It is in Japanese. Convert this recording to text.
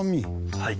はい。